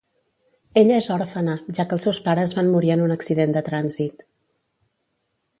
Ella és òrfena, ja que els seus pares van morir en un accident de trànsit.